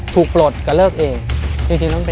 ถูกปลดก็เลิกเองจริงแล้วมันเป็นยังไงครับ